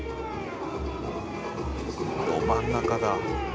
ど真ん中だ。